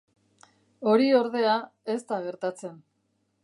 Hori, ordea, ez da gertatzen.